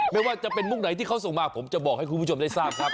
ไม่ว่าจะเป็นมุกไหนที่เขาส่งมาผมจะบอกให้คุณผู้ชมได้ทราบครับ